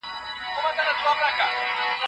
سر او کار لرل د مهارتونو د زیاتیدو لامل کیږي.